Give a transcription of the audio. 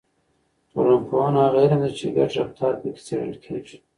ټولنپوهنه هغه علم دی چې ګډ رفتار پکې څېړل کیږي.